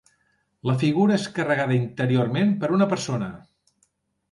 La figura és carregada interiorment per una persona.